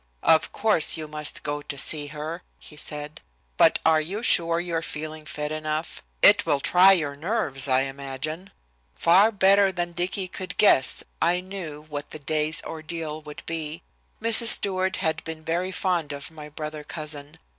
"Of course you must go to see her," he said, "but are you sure you're feeling fit enough? It will try your nerves, I imagine." Far better than Dicky could guess I knew what the day's ordeal would be. Mrs. Stewart had been very fond of my brother cousin.